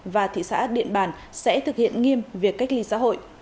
và thị xã điện bàn sẽ thực hiện nghiêm việc cách ly xã hội